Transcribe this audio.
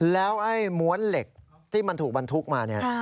แล้วม้วนเหล็กที่มันถูกบันทุกมา